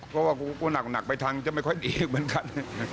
คือว่าก็นะกไปทางจะไม่ค่อยดีเหมือนกัน